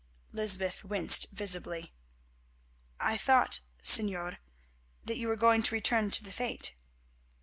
Lysbeth winced visibly. "I thought, Señor, that you were going to return to the fete."